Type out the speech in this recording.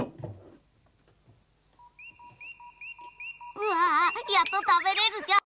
うわぁやっとたべれるじゃーん。